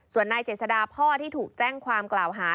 ส่วนนายเจษดาพ่อที่ถูกแจ้งความกล่าวหา